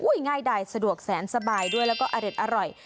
ง่ายดายสะดวกแสนสบายด้วยแล้วก็อเด็ดอร่อย